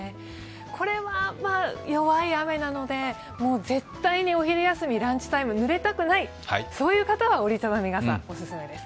これは弱い雨なので、絶対にお昼休み、ランチタイム、ぬれたくないという方は折り畳み傘オススメです。